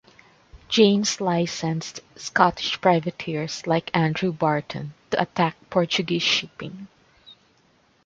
James licensed Scottish privateers like Andrew Barton to attack Portuguese shipping.